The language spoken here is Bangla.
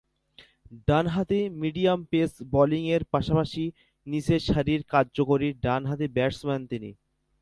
ডানহাতি মিডিয়াম পেস বোলিংয়ের পাশাপাশি নিচের সারির কার্যকরী ডানহাতি ব্যাটসম্যান তিনি।